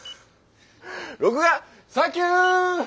録画サンキュー！